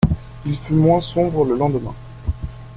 Il fut moins sombre le lendemain.